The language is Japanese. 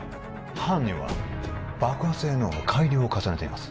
犯人は爆破性能の改良を重ねています